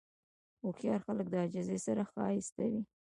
هوښیار خلک د عاجزۍ سره ښایسته وي.